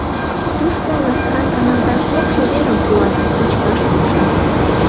Тушто ласкан каналташ шокшо верым пуат, кочкаш пукшат.